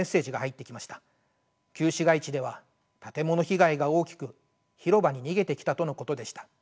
旧市街地では建物被害が大きく広場に逃げてきたとのことでした。